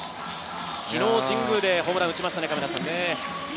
昨日、神宮でホームランを打ちました。